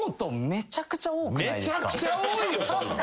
めちゃくちゃ多いです。